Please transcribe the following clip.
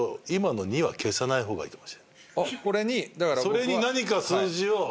それに何か数字を。